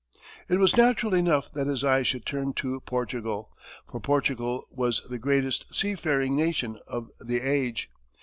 It was natural enough that his eyes should turn to Portugal, for Portugal was the greatest sea faring nation of the age.